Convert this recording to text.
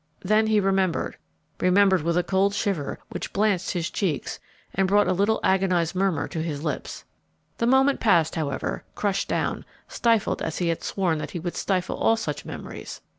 Then he remembered, remembered with a cold shiver which blanched his cheeks and brought a little agonised murmur to his lips. The moment passed, however, crushed down, stifled as he had sworn that he would stifle all such memories.